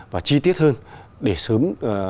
và chi tiết hơn để sớm